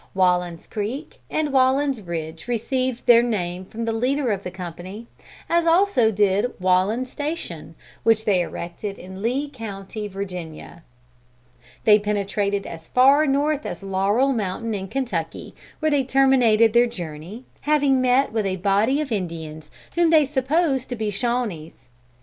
Wallen's Creek and Wallen's Ridge received their name from the leader of the company; as also did Wallen's Station which they erected in the Lee county, Virginia. "They penetrated as far north as Laurel Mountain, in Kentucky, where they terminated their journey, having met with a body of Indians whom they supposed to be Shawnees.